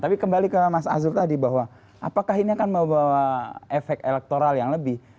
tapi kembali ke mas azul tadi bahwa apakah ini akan membawa efek elektoral yang lebih